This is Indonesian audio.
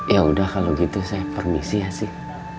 yaudah kalo gitu saya permisi ya sih